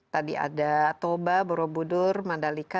tadi ada toba borobudur mandalika